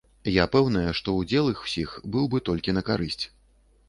Я пэўная, што ўдзел іх усіх быў бы толькі на карысць.